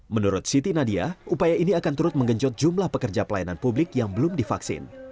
menurut siti nadia upaya ini akan turut menggenjot jumlah pekerja pelayanan publik yang belum divaksin